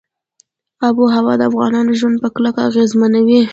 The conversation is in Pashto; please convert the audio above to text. آب وهوا د افغانانو ژوند په کلکه اغېزمنوي.